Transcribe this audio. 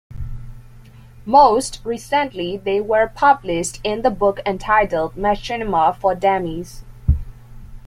Most recently they were published in the book entitled Machinima For Dummies.